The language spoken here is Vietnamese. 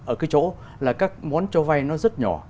ở cái chỗ là các món cho vay nó rất nhỏ